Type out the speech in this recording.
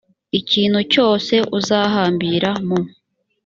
ikintu cyose uzahambira mu